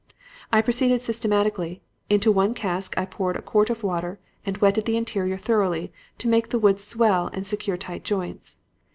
"I proceeded systematically. Into one cask I poured a quart of water and wetted the interior thoroughly, to make the wood swell and secure tight joints.